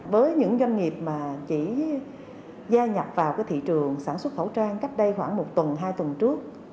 với những doanh nghiệp mà chỉ gia nhập vào thị trường sản xuất khẩu trang cách đây khoảng một tuần hai tuần trước